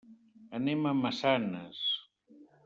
Anem a Massanes.